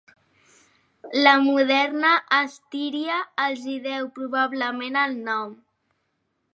La moderna Estíria els hi deu probablement el nom.